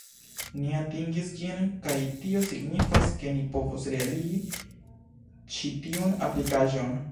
Ni atingis ĝin, kaj tio signifas ke ni povos realigi ĉi tiun aplikaĵon